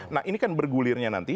nah ini kan bergulirnya nanti